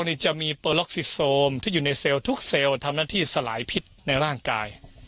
เนี้ยจะมีที่อยู่ในเซลล์ทุกเซลล์ทำหน้าที่สลายพิษในร่างกาย